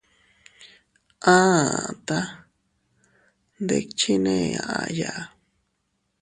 Aata ndikchinne aʼaya.